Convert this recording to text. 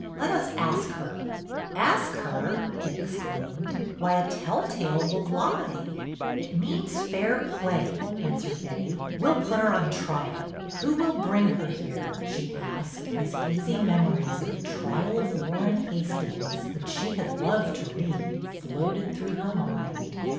Let us ask her." " Ask her !" they exclaimed. " Why, tell tale will He." a BETTY BAIRD 176 " It means fair play," answered Betty. " We 'll put her on trial. Who will bring her here ?" she asked, as hazy memories of the trial of Warren Hastings, which she had loved to read, floated through her mind.